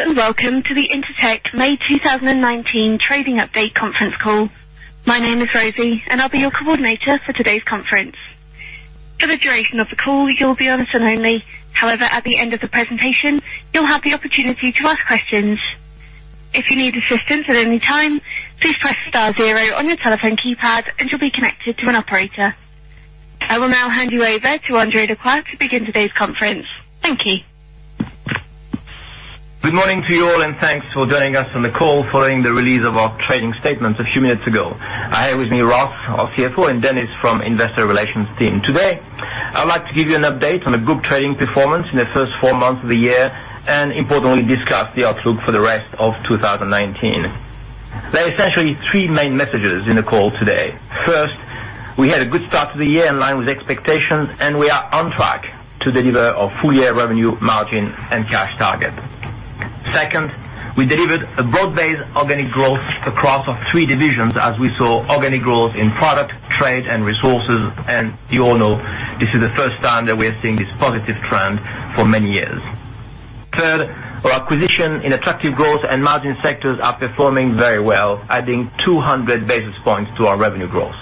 Hello, welcome to the Intertek May 2019 trading update conference call. My name is Rosie, and I'll be your coordinator for today's conference. For the duration of the call, you'll be on listen only. However, at the end of the presentation, you'll have the opportunity to ask questions. If you need assistance at any time, please press star zero on your telephone keypad, and you'll be connected to an operator. I will now hand you over to André Lacroix to begin today's conference. Thank you. Good morning to you all, thanks for joining us on the call following the release of our trading statement a few minutes ago. I have with me Ralph, our CFO, and Denis from investor relations team. Today, I'd like to give you an update on the group trading performance in the first four months of the year, importantly, discuss the outlook for the rest of 2019. There are essentially three main messages in the call today. First, we had a good start to the year in line with expectations, we are on track to deliver our full-year revenue margin and cash target. Second, we delivered a broad-based organic growth across our three divisions as we saw organic growth in Product, Trade, and Resources. You all know this is the first time that we are seeing this positive trend for many years. Third, our acquisition in attractive growth and margin sectors are performing very well, adding 200 basis points to our revenue growth.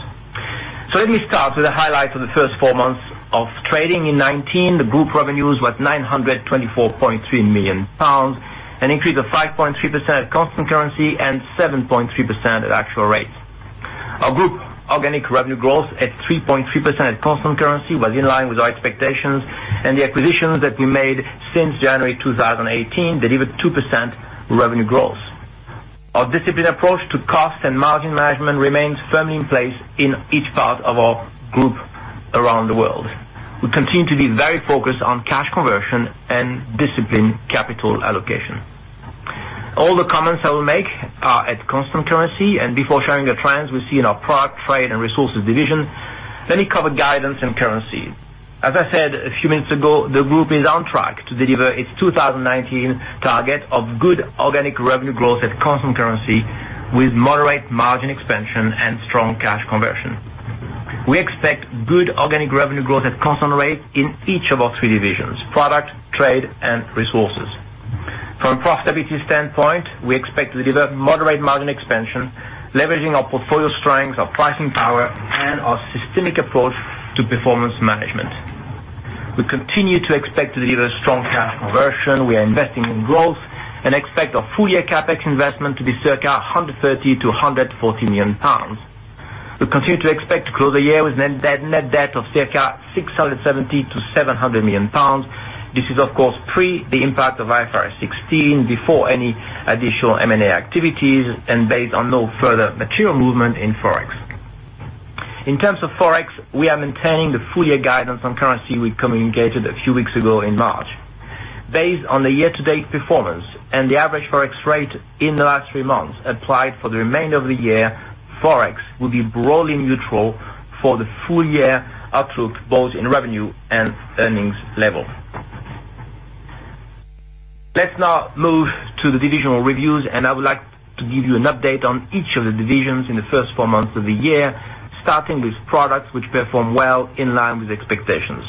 Let me start with the highlights of the first four months of trading in 2019. The group revenues were 924.3 million pounds, an increase of 5.3% at constant currency and 7.3% at actual rates. Our group organic revenue growth at 3.3% at constant currency was in line with our expectations, the acquisitions that we made since January 2018 delivered 2% revenue growth. Our disciplined approach to cost and margin management remains firmly in place in each part of our group around the world. We continue to be very focused on cash conversion and disciplined capital allocation. All the comments I will make are at constant currency. Before sharing the trends we see in our Product, Trade, and Resources division, let me cover guidance and currency. As I said a few minutes ago, the group is on track to deliver its 2019 target of good organic revenue growth at constant currency with moderate margin expansion and strong cash conversion. We expect good organic revenue growth at constant rates in each of our three divisions, Product, Trade, and Resources. From a profitability standpoint, we expect to deliver moderate margin expansion, leveraging our portfolio strengths, our pricing power, and our systemic approach to performance management. We continue to expect to deliver strong cash conversion. We are investing in growth and expect our full-year CapEx investment to be circa 130 million-140 million pounds. We continue to expect to close the year with a net debt of circa 670 million-700 million pounds. This is of course pre the impact of IFRS 16, before any additional M&A activities and based on no further material movement in Forex. In terms of Forex, we are maintaining the full-year guidance on currency we communicated a few weeks ago in March. Based on the year-to-date performance and the average Forex rate in the last three months applied for the remainder of the year, Forex will be broadly neutral for the full-year outlook, both in revenue and earnings level. Let's now move to the divisional reviews. I would like to give you an update on each of the divisions in the first four months of the year, starting with products which perform well in line with expectations.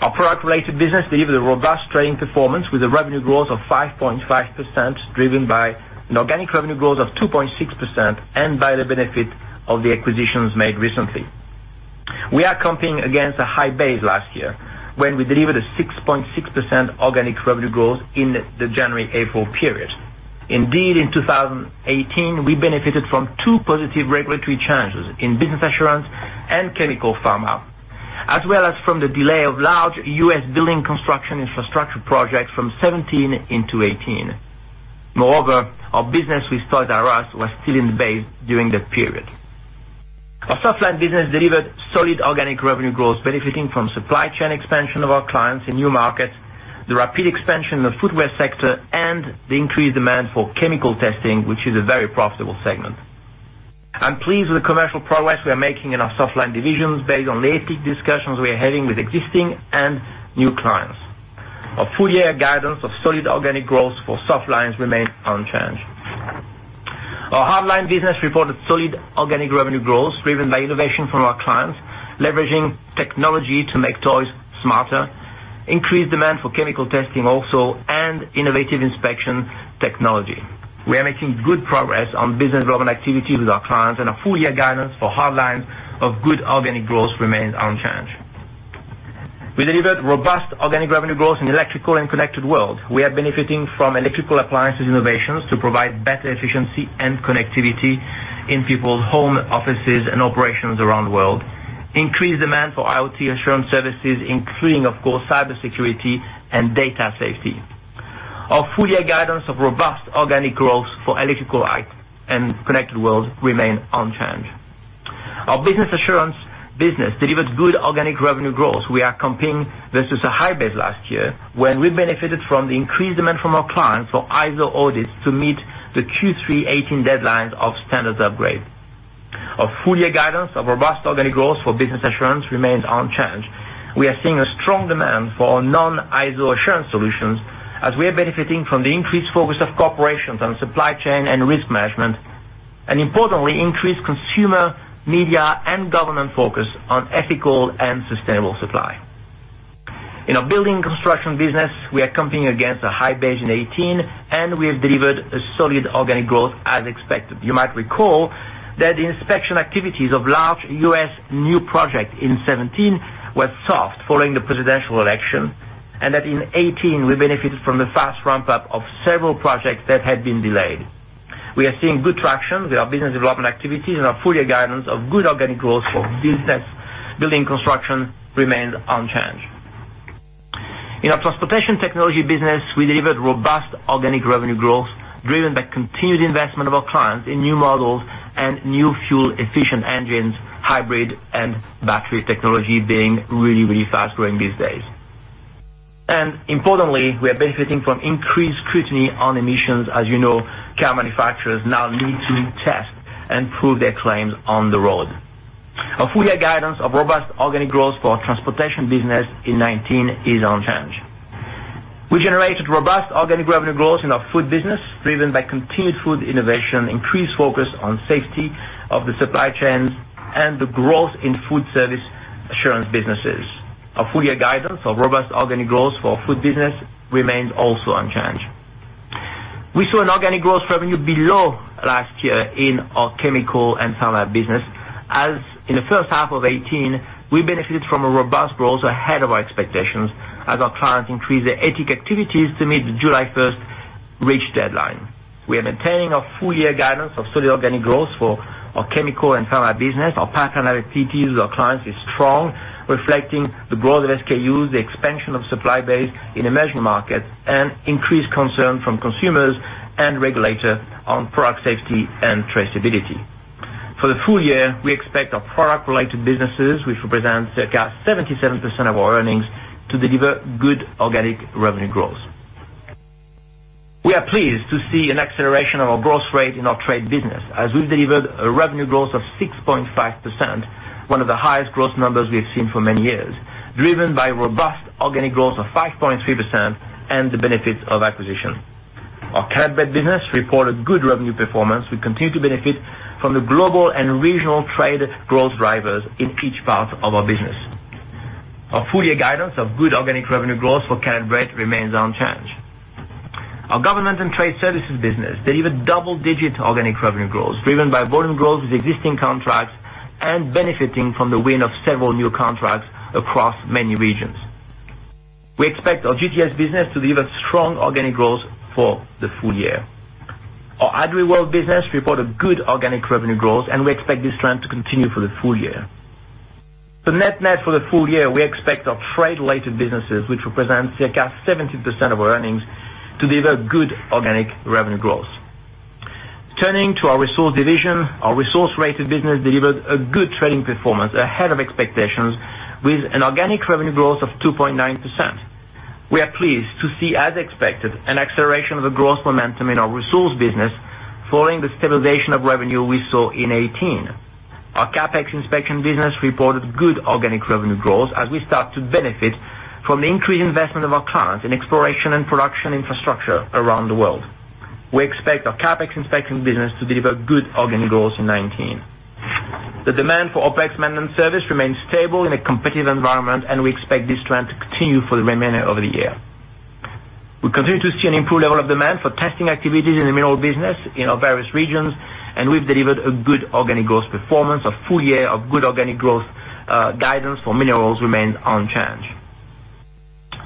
Our product-related business delivered a robust trading performance with a revenue growth of 5.5%, driven by an organic revenue growth of 2.6% and by the benefit of the acquisitions made recently. We are competing against a high base last year when we delivered a 6.6% organic revenue growth in the January-April period. Indeed, in 2018, we benefited from two positive regulatory changes in Business Assurance and chemical pharma, as well as from the delay of large U.S. building construction infrastructure projects from 2017 into 2018. Moreover, our business with Toys"R"Us was still in base during that period. Our softline business delivered solid organic revenue growth, benefiting from supply chain expansion of our clients in new markets, the rapid expansion of the footwear sector, and the increased demand for chemical testing, which is a very profitable segment. I'm pleased with the commercial progress we are making in our softline divisions based on the AP discussions we are having with existing and new clients. Our full-year guidance of solid organic growth for softlines remains unchanged. Our hardline business reported solid organic revenue growth driven by innovation from our clients, leveraging technology to make toys smarter, increased demand for chemical testing also, and innovative inspection technology. We are making good progress on business development activities with our clients. Our full-year guidance for hardline of good organic growth remains unchanged. We delivered robust organic revenue growth in electrical and connected world. We are benefiting from electrical appliances innovations to provide better efficiency and connectivity in people's home, offices, and operations around the world. Increased demand for IoT assurance services, including, of course, cybersecurity and data safety. Our full-year guidance of robust organic growth for electrical and connected world remain unchanged. Our Business Assurance business delivered good organic revenue growth. We are competing versus a high base last year when we benefited from the increased demand from our clients for ISO audits to meet the Q3 2018 deadlines of standards upgrade. Our full-year guidance of robust organic growth for Business Assurance remains unchanged. We are seeing a strong demand for our non-ISO assurance solutions as we are benefiting from the increased focus of corporations on supply chain and risk management. Importantly, increased consumer media and government focus on ethical and sustainable supply. In our building construction business, we are competing against a high base in 2018. We have delivered a solid organic growth as expected. You might recall that the inspection activities of large U.S. new project in 2017 were soft following the presidential election, and that in 2018 we benefited from the fast ramp-up of several projects that had been delayed. We are seeing good traction with our business development activities and our full year guidance of good organic growth for business building construction remains unchanged. In our transportation technology business, we delivered robust organic revenue growth driven by continued investment of our clients in new models and new fuel-efficient engines, hybrid and battery technology being really fast-growing these days. Importantly, we are benefiting from increased scrutiny on emissions. As you know, car manufacturers now need to test and prove their claims on the road. Our full year guidance of robust organic growth for transportation business in 2019 is unchanged. We generated robust organic revenue growth in our food business, driven by continued food innovation, increased focus on safety of the supply chains, and the growth in food service assurance businesses. Our full year guidance of robust organic growth for food business remains also unchanged. We saw an organic growth revenue below last year in our chemical and pharma business, as in the first half of 2018, we benefited from a robust growth ahead of our expectations as our clients increased their ATIC activities to meet the July 1st REACH deadline. We are maintaining our full year guidance of solid organic growth for our chemical and pharma business. Our partner activities with our clients is strong, reflecting the growth of SKUs, the expansion of supply base in emerging markets, and increased concern from consumers and regulators on product safety and traceability. For the full year, we expect our product-related businesses, which represent circa 77% of our earnings, to deliver good organic revenue growth. We are pleased to see an acceleration of our growth rate in our trade business as we've delivered a revenue growth of 6.5%, one of the highest growth numbers we have seen for many years, driven by robust organic growth of 5.3% and the benefits of acquisition. Our Caleb Brett business reported good revenue performance. We continue to benefit from the global and regional trade growth drivers in each part of our business. Our full year guidance of good organic revenue growth for Caleb Brett remains unchanged. Our Government and Trade Services business delivered double-digit organic revenue growth, driven by volume growth with existing contracts and benefiting from the win of several new contracts across many regions. We expect our GTS business to deliver strong organic growth for the full year. Our ID World business reported good organic revenue growth, and we expect this trend to continue for the full year. The net for the full year, we expect our trade-related businesses, which represent circa 17% of our earnings, to deliver good organic revenue growth. Turning to our resource division, our resource-related business delivered a good trading performance ahead of expectations with an organic revenue growth of 2.9%. We are pleased to see, as expected, an acceleration of the growth momentum in our resource business following the stabilization of revenue we saw in 2018. Our CapEx inspection business reported good organic revenue growth as we start to benefit from the increased investment of our clients in exploration and production infrastructure around the world. We expect our CapEx inspection business to deliver good organic growth in 2019. The demand for OpEx maintenance service remains stable in a competitive environment. We expect this trend to continue for the remainder of the year. We continue to see an improved level of demand for testing activities in the mineral business in our various regions. We've delivered a good organic growth performance. Our full year of good organic growth guidance for minerals remains unchanged.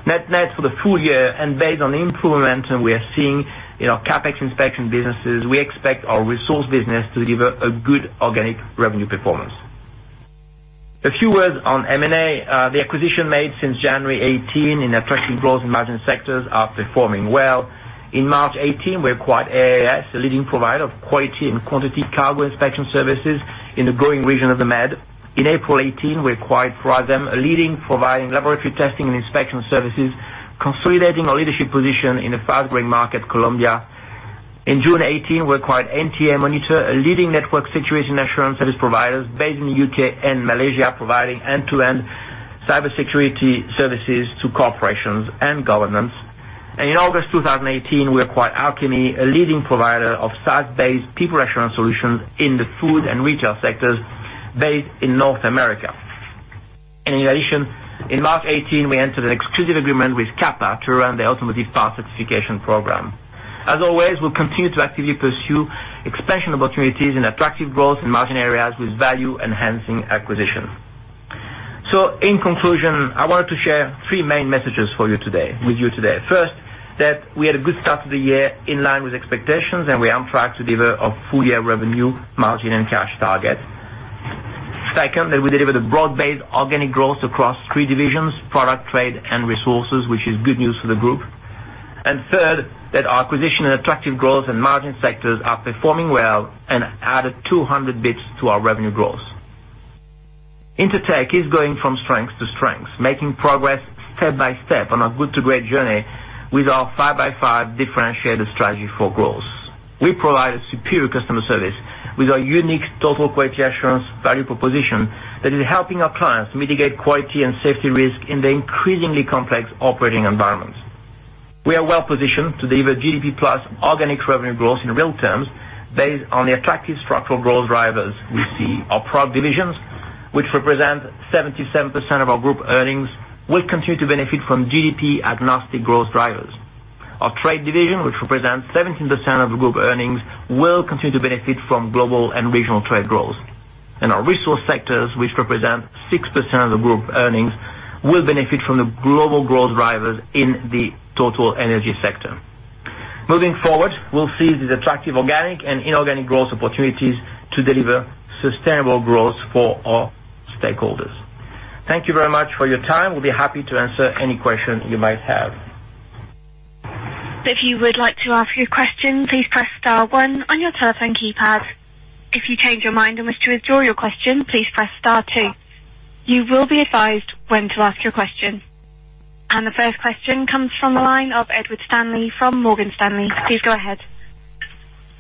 Net for the full year. Based on the improvement we are seeing in our CapEx inspection businesses, we expect our resource business to deliver a good organic revenue performance. A few words on M&A. The acquisition made since January 2018 in attractive growth and margin sectors are performing well. In March 2018, we acquired AAS, a leading provider of quality and quantity cargo inspection services in the growing region of the Med. In April 2018, we acquired Proasem, a leading provider laboratory testing and inspection services, consolidating our leadership position in the fast-growing market, Colombia. In June 2018, we acquired NTA Monitor, a leading network security assurance service provider based in the U.K. and Malaysia, providing end-to-end cybersecurity services to corporations and governments. In August 2018, we acquired Alchemy, a leading provider of SaaS-based people assurance solutions in the food and retail sectors based in North America. In addition, in March 2018, we entered an exclusive agreement with CAPA to run the Automotive Parts Certification program. As always, we'll continue to actively pursue expansion opportunities in attractive growth and margin areas with value-enhancing acquisition. In conclusion, I wanted to share three main messages with you today. First, that we had a good start to the year in line with expectations, and we are on track to deliver our full year revenue, margin, and cash target. Second, that we delivered a broad-based organic growth across three divisions, product, trade, and resources, which is good news for the group. Third, that our acquisition in attractive growth and margin sectors are performing well and added 200 basis points to our revenue growth. Intertek is going from strength to strength, making progress step by step on our good to great journey with our 5x5 differentiated strategy for growth. We provide a superior customer service with our unique Total Quality Assurance value proposition that is helping our clients mitigate quality and safety risk in the increasingly complex operating environments. We are well positioned to deliver GDP plus organic revenue growth in real terms based on the attractive structural growth drivers we see. Our product divisions, which represent 77% of our group earnings, will continue to benefit from GDP-agnostic growth drivers. Our trade division, which represents 17% of the group earnings, will continue to benefit from global and regional trade growth. Our resource sectors, which represent 6% of the group earnings, will benefit from the global growth drivers in the total energy sector. Moving forward, we'll seize these attractive organic and inorganic growth opportunities to deliver sustainable growth for all stakeholders. Thank you very much for your time. We'll be happy to answer any question you might have. If you would like to ask your question, please press star one on your telephone keypad. If you change your mind and wish to withdraw your question, please press star two. You will be advised when to ask your question. The first question comes from the line of Edward Stanley from Morgan Stanley. Please go ahead.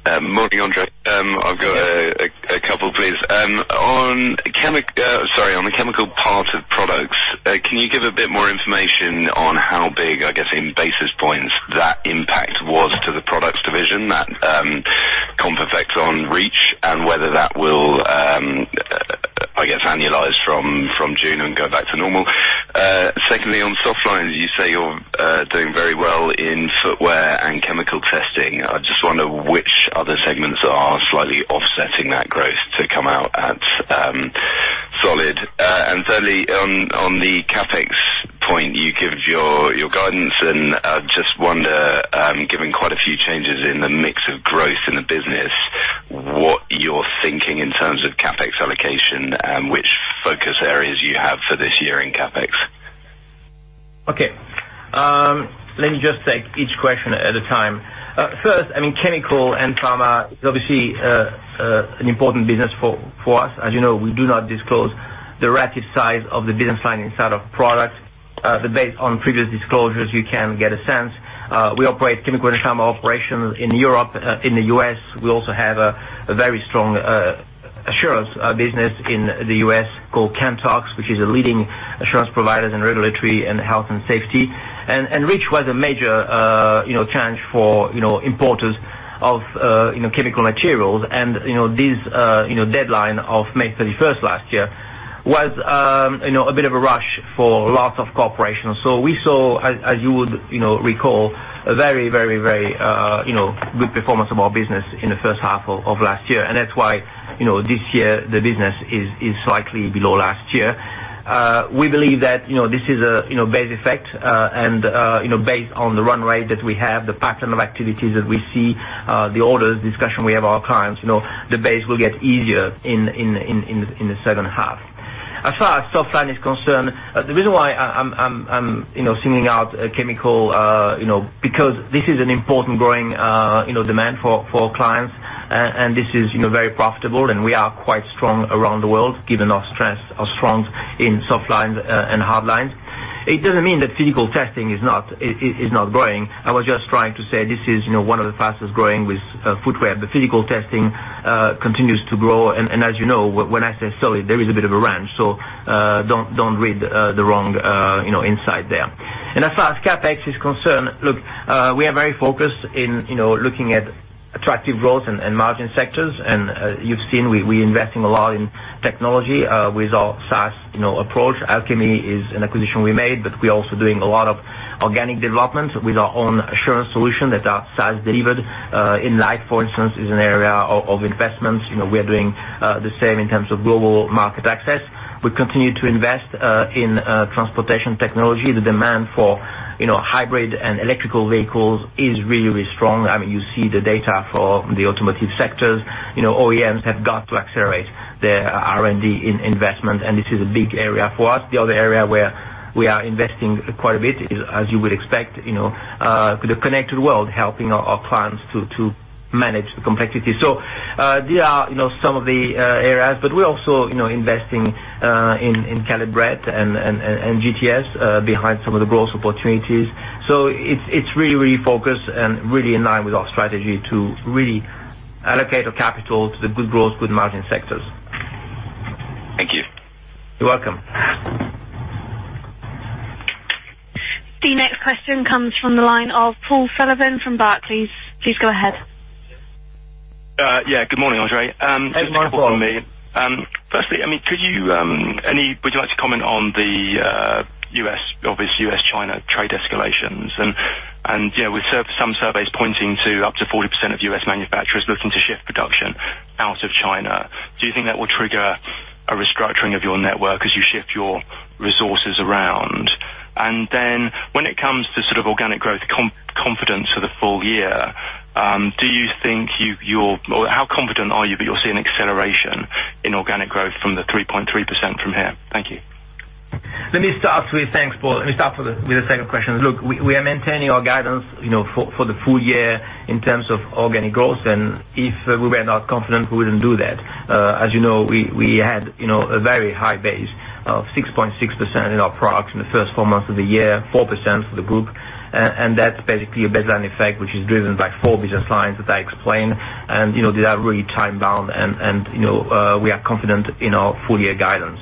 Morning, André. I've got a couple, please. On the chemical part of products, can you give a bit more information on how big, I guess, in basis points that impact was to the products division, that comp effect on REACH, and whether that will, I guess, annualize from June and go back to normal? Secondly, on softlines, you say you're doing very well in footwear and chemical testing. I just wonder which other segments are slightly offsetting that growth to come out as solid. Thirdly, on the CapEx point, you give your guidance and I just wonder, given quite a few changes in the mix of growth in the business, what you're thinking in terms of CapEx allocation and which focus areas you have for this year in CapEx. Okay. Let me just take each question at a time. First, chemical and pharma is obviously an important business for us. As you know, we do not disclose the relative size of the business line inside of products. Based on previous disclosures, you can get a sense. We operate chemical and pharma operations in Europe, in the U.S. We also have a very strong assurance business in the U.S. called Chemtox, which is a leading assurance provider in regulatory and health and safety. REACH was a major change for importers of chemical materials. This deadline of May 31st last year was a bit of a rush for lots of corporations. We saw, as you would recall, a very good performance of our business in the first half of last year. That's why, this year, the business is slightly below last year. We believe that this is a base effect, and based on the run rate that we have, the pattern of activities that we see, the orders, discussion we have with our clients, the base will get easier in the second half. As far as softline is concerned, the reason why I'm singling out chemical, because this is an important growing demand for our clients. This is very profitable, and we are quite strong around the world, given our strength in softlines and hardlines. It doesn't mean that physical testing is not growing. I was just trying to say this is one of the fastest-growing with footwear. Physical testing continues to grow, and as you know, when I say solid, there is a bit of a range, so don't read the wrong insight there. As far as CapEx is concerned, look, we are very focused in looking at attractive growth and margin sectors. You've seen, we're investing a lot in technology with our SaaS approach. Alchemy is an acquisition we made, but we're also doing a lot of organic development with our own assurance solution that are SaaS delivered. Inlight, for instance, is an area of investments. We are doing the same in terms of global market access. We continue to invest in transportation technology. The demand for hybrid and electrical vehicles is really strong. You see the data for the automotive sectors. OEMs have got to accelerate their R&D investment, and this is a big area for us. The other area where we are investing quite a bit is, as you would expect, the connected world, helping our clients to manage the complexity. These are some of the areas, but we're also investing in Caleb Brett and GTS behind some of the growth opportunities. It's really focused and really in line with our strategy to really allocate our capital to the good growth, good margin sectors. Thank you. You're welcome. The next question comes from the line of Paul Sullivan from Barclays. Please go ahead. Yeah. Good morning, André. Hey, Paul. Two quick ones from me. Firstly, would you like to comment on the obvious U.S.-China trade escalations? With some surveys pointing to up to 40% of U.S. manufacturers looking to shift production out of China, do you think that will trigger a restructuring of your network as you shift your resources around? When it comes to sort of organic growth confidence for the full year, how confident are you that you'll see an acceleration in organic growth from the 3.3% from here? Thank you. Thanks, Paul. Let me start with the second question. We are maintaining our guidance for the full year in terms of organic growth, and if we were not confident, we wouldn't do that. As you know, we had a very high base of 6.6% in our products in the first four months of the year, 4% for the group. That's basically a baseline effect, which is driven by four business lines that I explained, and they are really time-bound, and we are confident in our full-year guidance.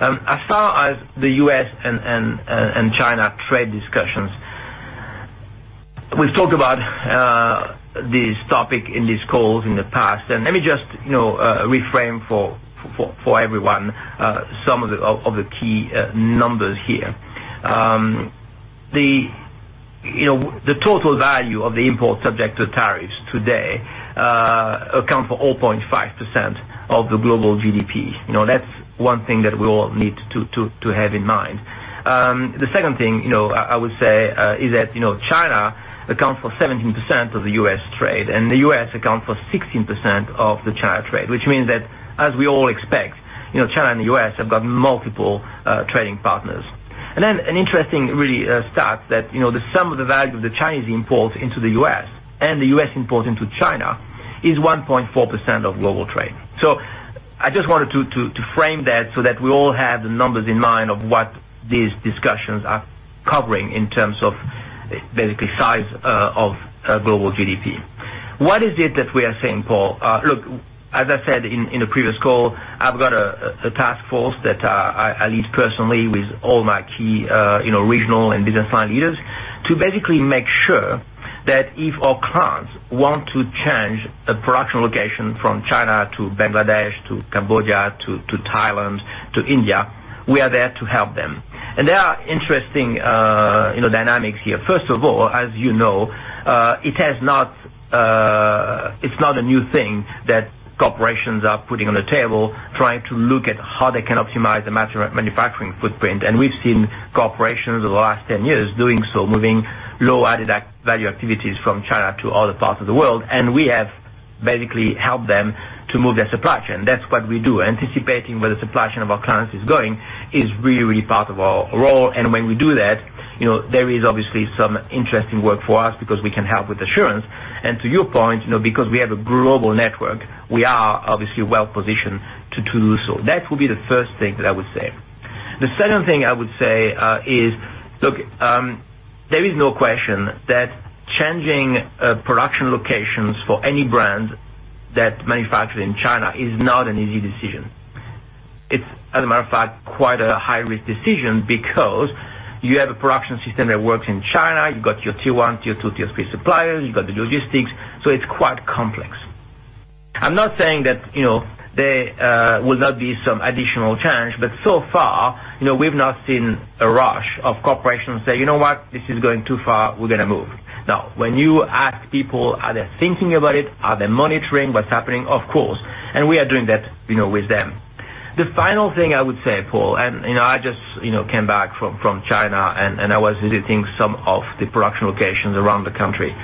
As far as the U.S. and China trade discussions, we've talked about this topic in these calls in the past. Let me just reframe for everyone some of the key numbers here. The total value of the imports subject to tariffs today account for 0.5% of the global GDP. That's one thing that we all need to have in mind. The second thing, I would say, is that China accounts for 17% of the U.S. trade, and the U.S. accounts for 16% of the China trade, which means that, as we all expect, China and the U.S. have got multiple trading partners. Then an interesting stat, that the sum of the value of the Chinese imports into the U.S. and the U.S. imports into China is 1.4% of global trade. I just wanted to frame that so that we all have the numbers in mind of what these discussions are covering in terms of basically size of global GDP. What is it that we are seeing, Paul? As I said in a previous call, I've got a task force that I lead personally with all my key regional and business line leaders to basically make sure that if our clients want to change a production location from China to Bangladesh, to Cambodia, to Thailand, to India, we are there to help them. There are interesting dynamics here. First of all, as you know, it's not a new thing that corporations are putting on the table trying to look at how they can optimize the manufacturing footprint. We've seen corporations over the last 10 years doing so, moving low added value activities from China to other parts of the world. We have basically helped them to move their supply chain. That's what we do. Anticipating where the supply chain of our clients is going is really part of our role. When we do that, there is obviously some interesting work for us because we can help with assurance. To your point, because we have a global network, we are obviously well-positioned to do so. That would be the first thing that I would say. The second thing I would say is, there is no question that changing production locations for any brand that manufactures in China is not an easy decision. It's, as a matter of fact, quite a high-risk decision because you have a production system that works in China. You've got your tier 1, tier 2, tier 3 suppliers. You've got the logistics. It's quite complex. I'm not saying that there will not be some additional change, but so far, we've not seen a rush of corporations say, "You know what? This is going too far. We're going to move. When you ask people, are they thinking about it? Are they monitoring what's happening? Of course. We are doing that with them. The final thing I would say, Paul, and I just came back from China, and I was visiting some of the production locations around the country.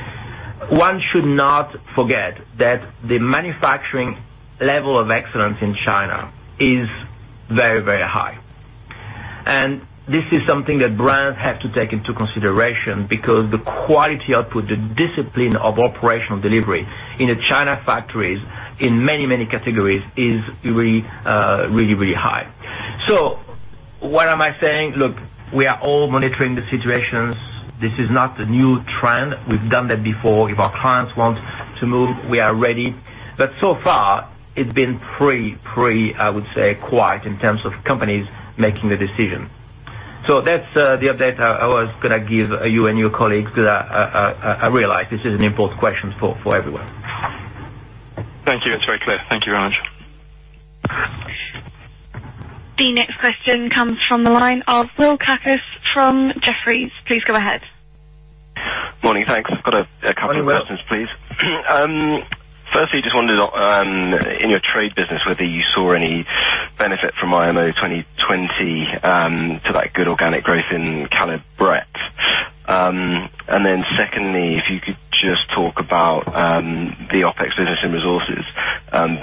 One should not forget that the manufacturing level of excellence in China is very high. This is something that brands have to take into consideration because the quality output, the discipline of operational delivery in the China factories in many categories is really high. What am I saying? Look, we are all monitoring the situations. This is not a new trend. We've done that before. If our clients want to move, we are ready. So far it's been pretty, I would say, quiet in terms of companies making the decision. That's the update I was going to give you and your colleagues because I realize this is an important question for everyone. Thank you. That's very clear. Thank you very much. The next question comes from the line of Will Kirkness from Jefferies. Please go ahead. Morning. Thanks. I've got a couple of questions, please. Morning, Will. Just wondered, in your trade business, whether you saw any benefit from IMO 2020, to that good organic growth in Caleb Brett. Secondly, if you could just talk about the OpEx business in Resources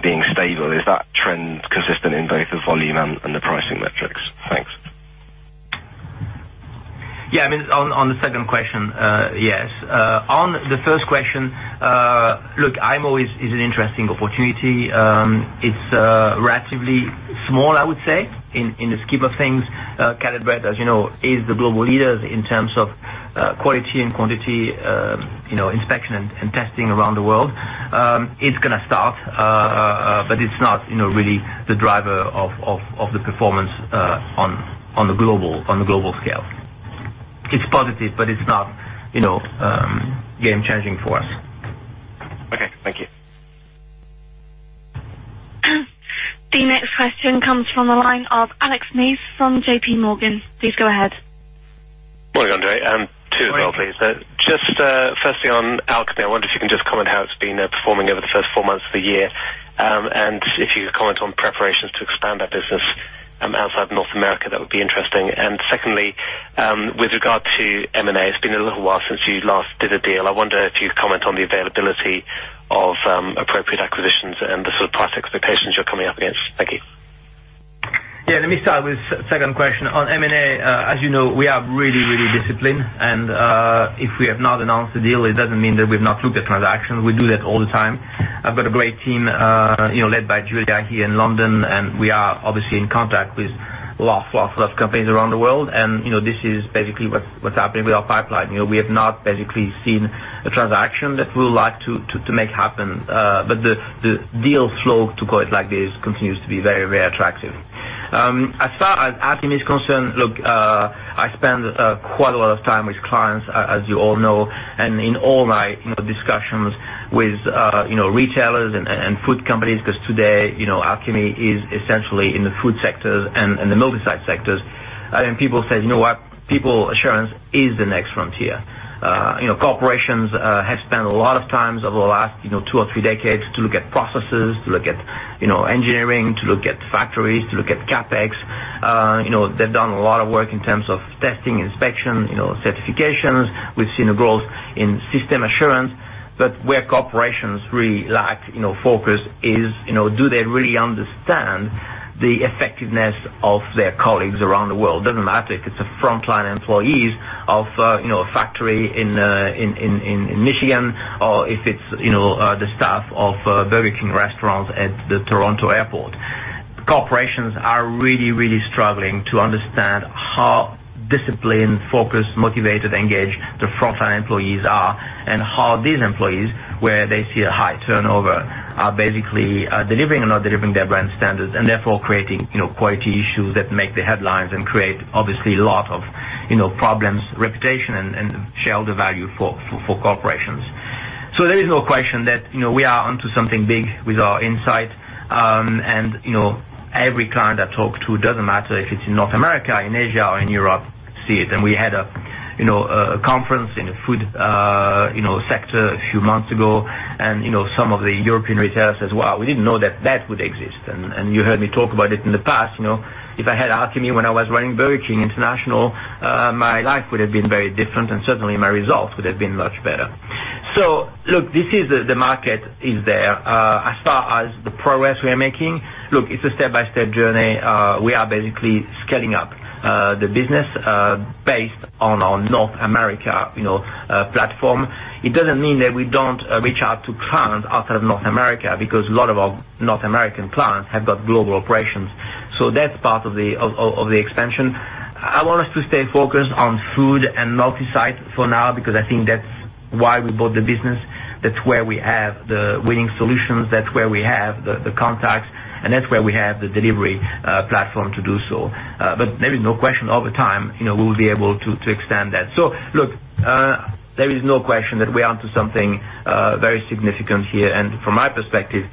being stable. Is that trend consistent in both the volume and the pricing metrics? Thanks. On the second question. Yes. On the first question, look, IMO is an interesting opportunity. It's relatively small, I would say, in the scheme of things. Caleb Brett, as you know, is the global leader in terms of quality and quantity inspection and testing around the world. It's going to start, but it's not really the driver of the performance on the global scale. It's positive, but it's not game changing for us. Okay. Thank you. The next question comes from the line of Alex Smith from JPMorgan. Please go ahead. Morning, André. Two as well, please. Morning. Firstly on Alchemy, I wonder if you can just comment how it's been performing over the first four months of the year. If you could comment on preparations to expand that business outside North America, that would be interesting. Secondly, with regard to M&A, it's been a little while since you last did a deal. I wonder if you'd comment on the availability of appropriate acquisitions and the sort of price expectations you're coming up against. Thank you. Let me start with second question. On M&A, as you know, we are really disciplined. If we have not announced a deal, it doesn't mean that we've not looked at transactions. We do that all the time. I've got a great team led by Julia here in London, we are obviously in contact with lots of companies around the world. This is basically what's happening with our pipeline. We have not basically seen a transaction that we would like to make happen. The deal flow, to put it like this, continues to be very attractive. As far as Alchemy is concerned, look, I spend quite a lot of time with clients, as you all know, in all my discussions with retailers and food companies, because today, Alchemy is essentially in the food sectors and the multi-site sectors. People say, "You know what? People assurance is the next frontier." Corporations have spent a lot of times over the last two or three decades to look at processes, to look at engineering, to look at factories, to look at CapEx. They've done a lot of work in terms of testing, inspection, certifications. We've seen a growth in system assurance. Where corporations really lack focus is, do they really understand the effectiveness of their colleagues around the world? Doesn't matter if it's the frontline employees of a factory in Michigan or if it's the staff of Burger King restaurants at the Toronto airport. Corporations are really struggling to understand how disciplined, focused, motivated, engaged the frontline employees are, how these employees, where they see a high turnover, are basically delivering or not delivering their brand standards, therefore creating quality issues that make the headlines and create obviously a lot of problems, reputation, and shareholder value for corporations. There is no question that we are onto something big with our Inlight. Every client I talk to, doesn't matter if it's in North America, in Asia or in Europe, see it. We had a conference in the food sector a few months ago, some of the European retailers said, "Wow, we didn't know that that would exist." You heard me talk about it in the past. If I had Alchemy when I was running Burger King International, my life would have been very different and certainly my results would have been much better. Look, the market is there. As far as the progress we are making, look, it's a step-by-step journey. We are basically scaling up the business based on our North America platform. It doesn't mean that we don't reach out to clients out of North America because a lot of our North American clients have got global operations. That's part of the expansion. I want us to stay focused on food and multi-site for now because I think that's why we bought the business. That's where we have the winning solutions, that's where we have the contacts, and that's where we have the delivery platform to do so. There is no question over time, we'll be able to extend that. Look, there is no question that we are onto something very significant here. From my perspective,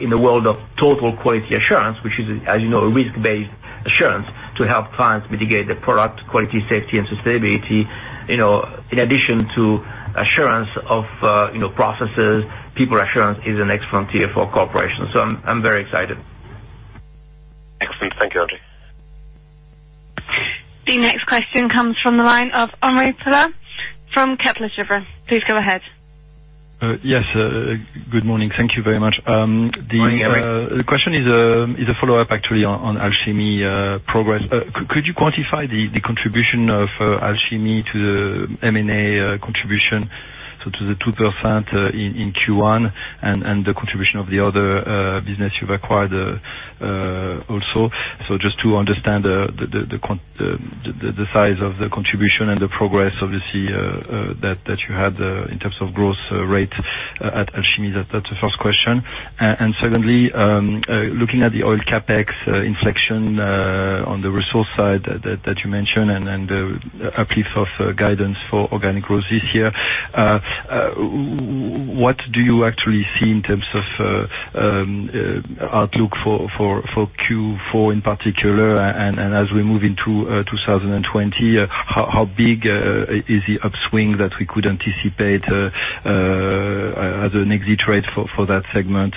in the world of Total Quality Assurance, which is, as you know, a risk-based assurance to help clients mitigate the product quality, safety, and sustainability, in addition to assurance of processes, people assurance is the next frontier for corporations. I'm very excited. Excellent. Thank you, André. The next question comes from the line of Emeric Pellerin from Kepler Cheuvreux. Please go ahead. Yes. Good morning. Thank you very much. Morning, Emeric. The question is a follow-up actually on Alchemy progress. Could you quantify the contribution of Alchemy to the M&A contribution, so to the 2% in Q1, and the contribution of the other business you've acquired also? Just to understand the size of the contribution and the progress, obviously, that you had in terms of growth rate at Alchemy. That's the first question. Secondly, looking at the oil CapEx inflection on the resource side that you mentioned and the uplift of guidance for organic growth this year, what do you actually see in terms of outlook for Q4 in particular? As we move into 2020, how big is the upswing that we could anticipate as an exit rate for that segment?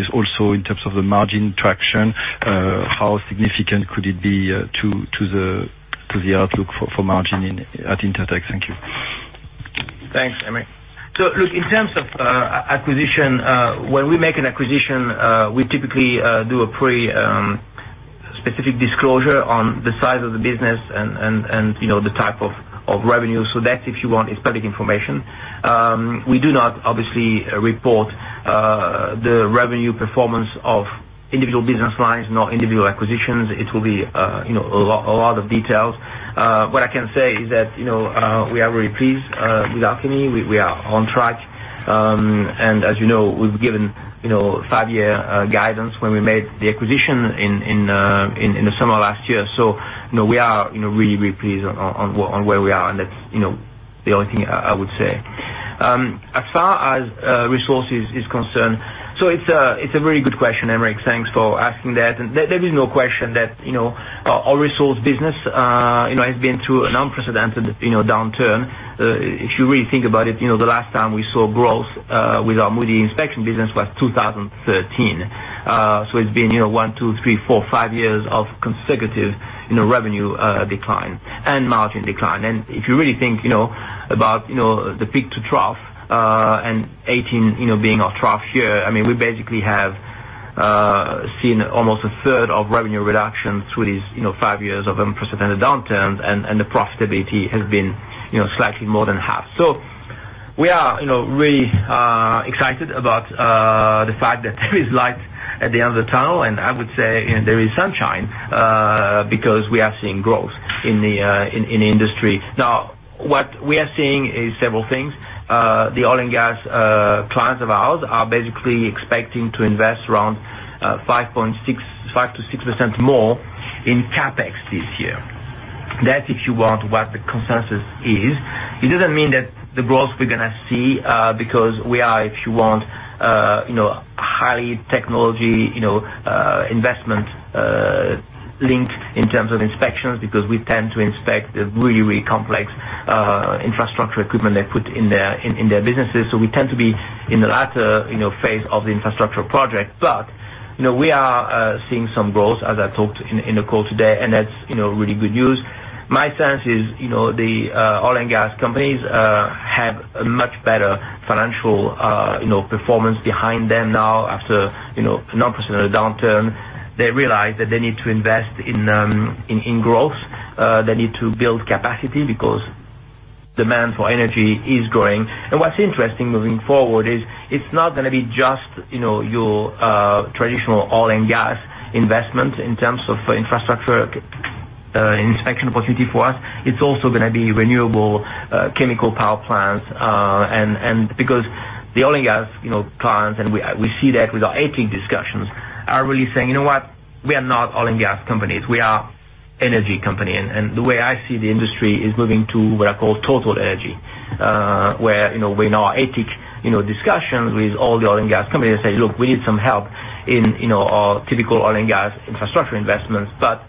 Is also in terms of the margin traction, how significant could it be to the outlook for margin at Intertek? Thank you. Thanks, Emeric. Look, in terms of acquisition, when we make an acquisition, we typically do a pretty specific disclosure on the size of the business and the type of revenue. That, if you want, is public information. We do not obviously report the revenue performance of individual business lines, nor individual acquisitions. It will be a lot of details. What I can say is that we are very pleased with Alchemy. We are on track. As you know, we've given five-year guidance when we made the acquisition in the summer of last year. We are really pleased on where we are, and that's the only thing I would say. As far as resources is concerned, it's a very good question, Emeric. Thanks for asking that. There is no question that our resource business has been through an unprecedented downturn. If you really think about it, the last time we saw growth with our Moody inspection business was 2013. It's been one, two, three, four, five years of consecutive revenue decline and margin decline. If you really think about the peak to trough, and 2018 being our trough year, I mean, we basically have seen almost a third of revenue reduction through these five years of unprecedented downturn, and the profitability has been slightly more than half. We are really excited about the fact that there is light at the end of the tunnel, and I would say there is sunshine because we are seeing growth in the industry. What we are seeing is several things. The oil and gas clients of ours are basically expecting to invest around 5%-6% more in CapEx this year. That's, if you want, what the consensus is. It doesn't mean that's the growth we're going to see, because we are, if you want, highly technology investment linked in terms of inspections, because we tend to inspect the really complex infrastructure equipment they put in their businesses. We tend to be in the latter phase of the infrastructure project. We are seeing some growth, as I talked in the call today, and that's really good news. My sense is the oil and gas companies have a much better financial performance behind them now after an unprecedented downturn. They realize that they need to invest in growth. They need to build capacity because demand for energy is growing. What's interesting moving forward is it's not going to be just your traditional oil and gas investment in terms of infrastructure inspection opportunity for us. It's also going to be renewable chemical power plants. Because the oil and gas clients, and we see that with our ATIC discussions, are really saying, "You know what? We are not oil and gas companies. We are energy company." The way I see the industry is moving to what I call total energy, where in our ATIC discussions with all the oil and gas companies, they say, "Look, we need some help in our typical oil and gas infrastructure investments, but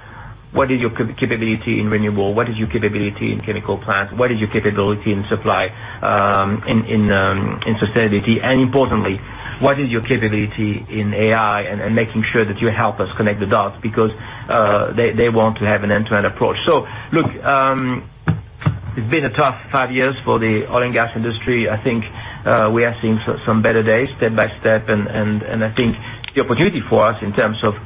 what is your capability in renewable? What is your capability in chemical plants? What is your capability in supply, in sustainability? Importantly, what is your capability in AI and making sure that you help us connect the dots?" Because they want to have an end-to-end approach. Look, it's been a tough five years for the oil and gas industry. I think we are seeing some better days step by step, and I think the opportunity for us in terms of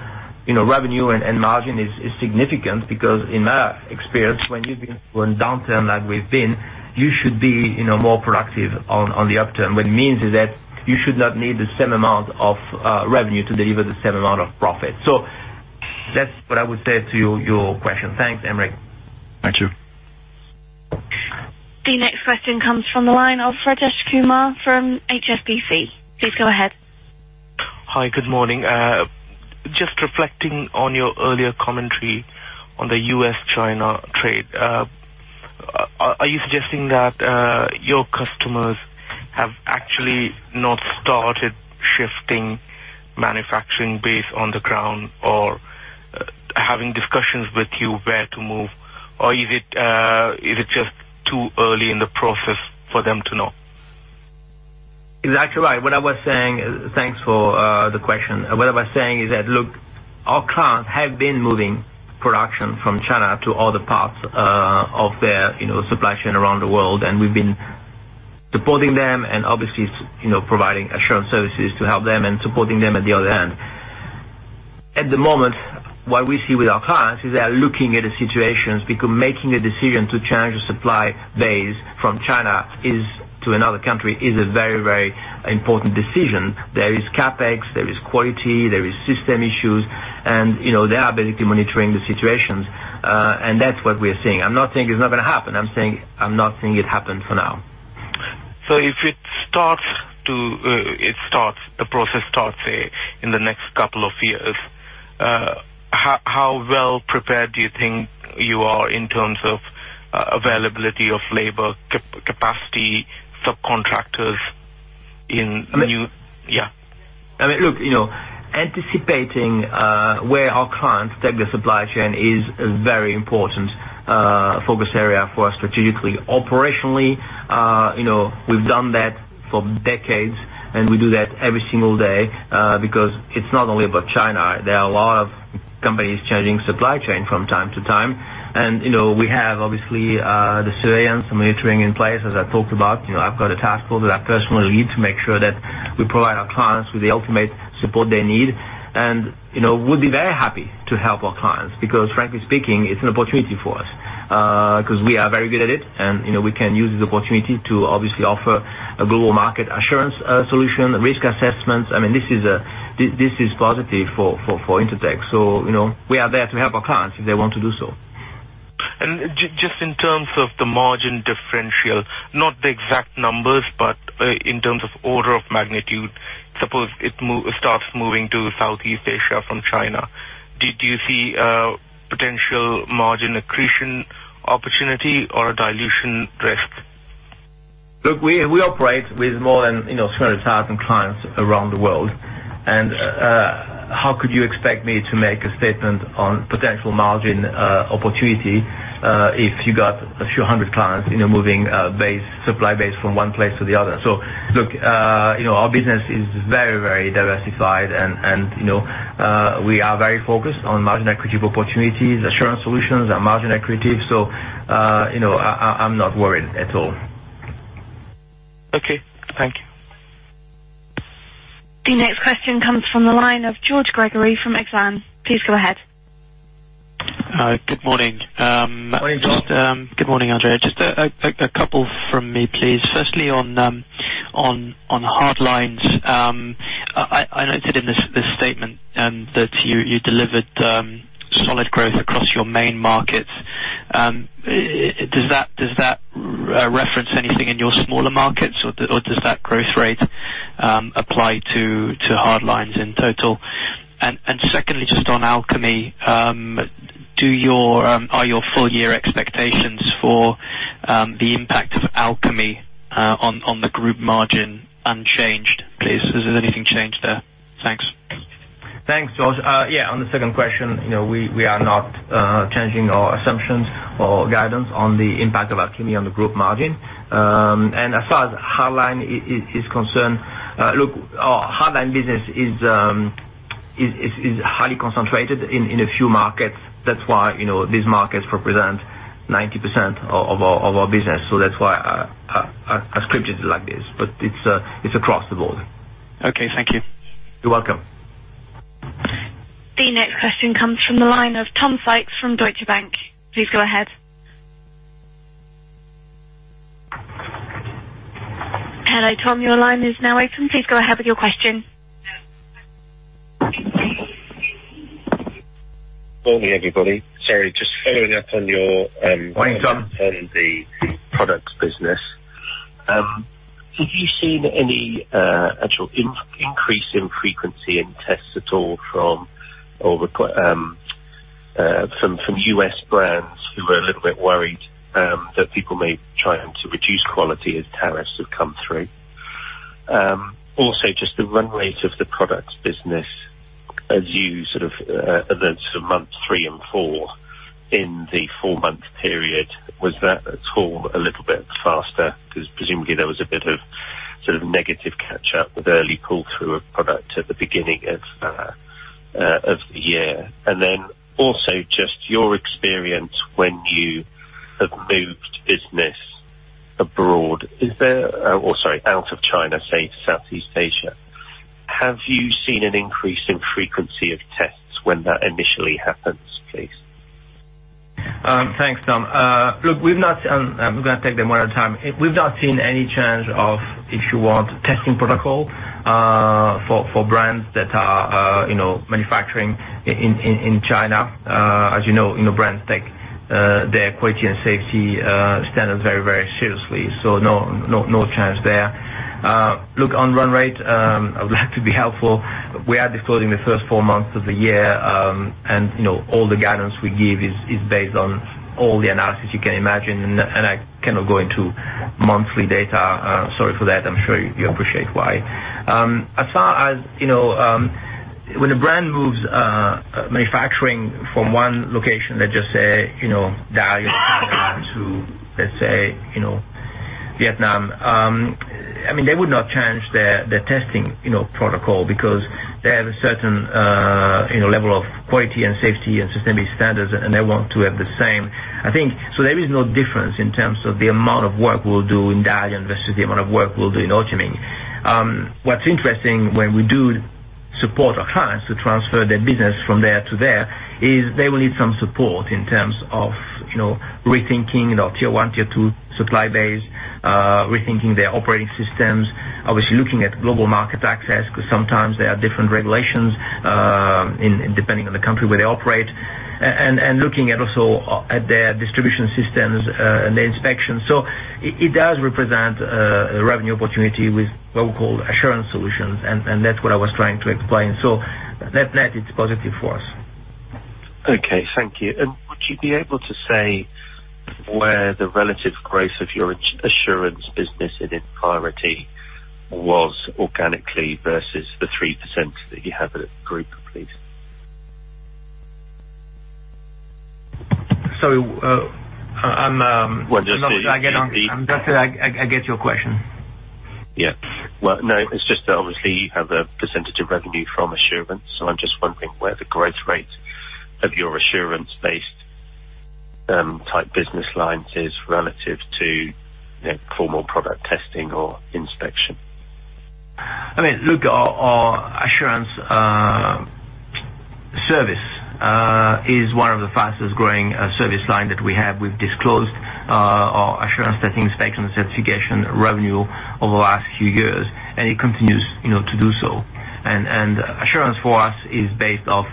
revenue and margin is significant because in my experience, when you've been through a downturn like we've been, you should be more proactive on the upturn. What it means is that you should not need the same amount of revenue to deliver the same amount of profit. That's what I would say to your question. Thanks, Emeric. Thank you. The next question comes from the line of Rajesh Kumar from HSBC. Please go ahead. Hi. Good morning. Just reflecting on your earlier commentary on the U.S.-China trade, are you suggesting that your customers have actually not started shifting manufacturing base on the ground or having discussions with you where to move? Or is it just too early in the process for them to know? Exactly right. Thanks for the question. What I was saying is that, look, our clients have been moving production from China to other parts of their supply chain around the world, and we've been supporting them and obviously providing assurance services to help them and supporting them at the other end. At the moment, what we see with our clients is they are looking at the situations because making a decision to change the supply base from China to another country is a very important decision. There is CapEx, there is quality, there is system issues, and they are basically monitoring the situations. That's what we are seeing. I'm not saying it's not going to happen. I'm saying I'm not seeing it happen for now. If the process starts, say, in the next couple of years, how well prepared do you think you are in terms of availability of labor, capacity, subcontractors? I mean, look, anticipating where our clients take their supply chain is a very important focus area for us strategically. Operationally, we've done that for decades, and we do that every single day, because it's not only about China. There are a lot of companies changing supply chain from time to time. We have, obviously, the surveillance and monitoring in place, as I talked about. I've got a task force that I personally lead to make sure that we provide our clients with the ultimate support they need. We'll be very happy to help our clients because frankly speaking, it's an opportunity for us, because we are very good at it and we can use this opportunity to obviously offer a global market assurance solution, risk assessments. I mean, this is positive for Intertek. We are there to help our clients if they want to do so. Just in terms of the margin differential, not the exact numbers, but in terms of order of magnitude, suppose it starts moving to Southeast Asia from China. Do you see a potential margin accretion opportunity or a dilution risk? Look, we operate with more than 300,000 clients around the world. How could you expect me to make a statement on potential margin opportunity if you got a few hundred clients moving supply base from one place to the other? Look, our business is very diversified, and we are very focused on margin accretive opportunities, assurance solutions that are margin accretive. I'm not worried at all. Okay. Thank you. The next question comes from the line of George Gregory from Exane. Please go ahead. Good morning. Morning, George. Good morning, André. Just a couple from me, please. Firstly, on hard lines, I noted in this statement that you delivered solid growth across your main markets. Does that reference anything in your smaller markets or does that growth rate apply to hard lines in total? Secondly, just on Alchemy, are your full year expectations for the impact of Alchemy on the group margin unchanged, please? Has anything changed there? Thanks. Thanks, George. Yeah, on the second question, we are not changing our assumptions or guidance on the impact of Alchemy on the group margin. As far as hard line is concerned, look, our hard line business is highly concentrated in a few markets. That's why these markets represent 90% of our business. That's why I scripted it like this, but it's across the board. Okay, thank you. You're welcome. The next question comes from the line of Tom Sykes from Deutsche Bank. Please go ahead. Hello, Tom, your line is now open. Please go ahead with your question. Morning, everybody. Sorry, just following up on. Morning, Tom. On the products business. Have you seen any actual increase in frequency in tests at all from U.S. brands who are a little bit worried that people may try to reduce quality as tariffs have come through? Also, just the run rate of the products business as you sort of, events of months 3 and 4 in the 4-month period, was that at all a little bit faster? Presumably there was a bit of sort of negative catch up with early pull through of product at the beginning of the year. Also, just your experience when you have moved business abroad, sorry, out of China, say, to Southeast Asia. Have you seen an increase in frequency of tests when that initially happens, please? Thanks, Tom. Look, we're going to take them one at a time. We've not seen any change of, if you want, testing protocol for brands that are manufacturing in China. As you know, brands take their quality and safety standards very seriously. No change there. Look, on run rate, I would like to be helpful. We are disclosing the first 4 months of the year. All the guidance we give is based on all the analysis you can imagine. I cannot go into monthly data. Sorry for that. I'm sure you appreciate why. As far as when a brand moves manufacturing from one location, let's just say Dalian, to, let's say Vietnam, they would not change their testing protocol because they have a certain level of quality and safety and systemic standards, and they want to have the same. There is no difference in terms of the amount of work we will do in Dalian versus the amount of work we will do in Ho Chi Minh. What is interesting when we do support our clients to transfer their business from there to there, is they will need some support in terms of rethinking tier 1, tier 2 supply base, rethinking their operating systems, obviously looking at global market access, because sometimes there are different regulations depending on the country where they operate, and looking at also at their distribution systems and their inspection. It does represent a revenue opportunity with what we call assurance solutions, and that is what I was trying to explain. Net, it is positive for us. Okay, thank you. Would you be able to say where the relative growth of your assurance business in entirety was organically versus the 3% that you have as a group, please? Sorry. I get your question. Yeah. Well, no, it is just that obviously you have a percentage of revenue from assurance, so I am just wondering where the growth rate of your assurance-based type business lines is relative to formal product testing or inspection. Our assurance service is one of the fastest growing service line that we have. We've disclosed our Assurance, Testing, Inspection, and Certification revenue over the last few years, and it continues to do so. Assurance for us is based off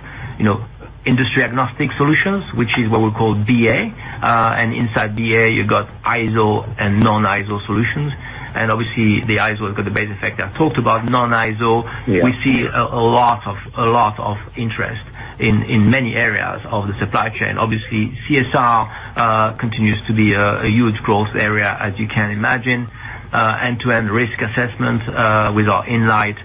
industry agnostic solutions, which is what we call DA. Inside DA, you got ISO and non-ISO solutions. Obviously the ISO has got the base effect I talked about. Non-ISO, Yeah We see a lot of interest in many areas of the supply chain. Obviously, CSR continues to be a huge growth area, as you can imagine. End-to-end risk assessment with our Inlight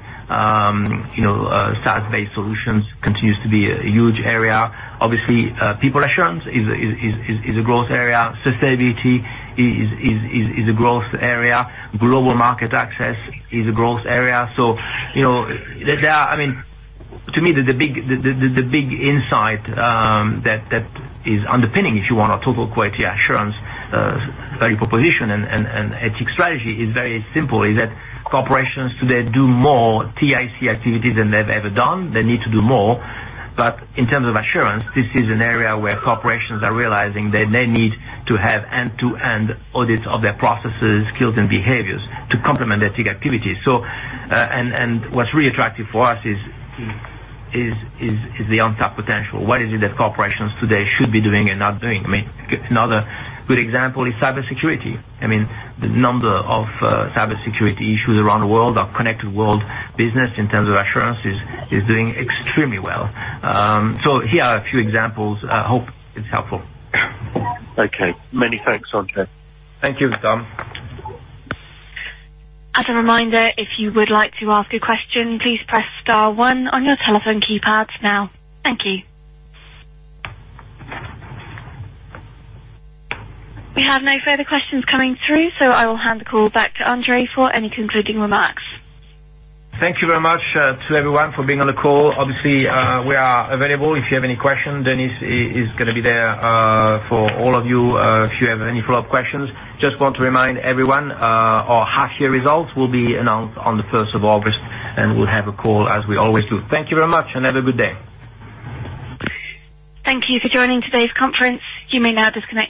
SaaS-based solutions continues to be a huge area. Obviously, people assurance is a growth area. Sustainability is a growth area. Global market access is a growth area. To me, the big insight that is underpinning, if you want, our Total Quality Assurance value proposition and ATIC strategy is very simple, is that corporations today do more TIC activities than they've ever done. They need to do more. In terms of assurance, this is an area where corporations are realizing that they need to have end-to-end audits of their processes, skills, and behaviors to complement their TIC activities. What's really attractive for us is the on-top potential. What is it that corporations today should be doing and not doing? Another good example is cybersecurity. The number of cybersecurity issues around the world, our connected world business in terms of assurance is doing extremely well. Here are a few examples. I hope it's helpful. Okay. Many thanks, André. Thank you, Tom. As a reminder, if you would like to ask a question, please press star one on your telephone keypads now. Thank you. We have no further questions coming through. I will hand the call back to André for any concluding remarks. Thank you very much to everyone for being on the call. Obviously, we are available if you have any questions. Denis is going to be there for all of you if you have any follow-up questions. Just want to remind everyone, our half year results will be announced on the 1st of August, and we'll have a call as we always do. Thank you very much, and have a good day. Thank you for joining today's conference. You may now disconnect.